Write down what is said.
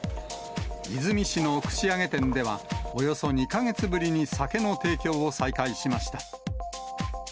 和泉市の串揚げ店では、およそ２か月ぶりに酒の提供を再開しました。